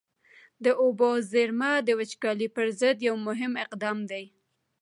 د اوبو زېرمه د وچکالۍ پر ضد یو مهم اقدام دی.